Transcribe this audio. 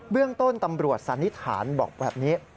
เรื่องต้นตำรวจสันนิษฐานบอกแบบนี้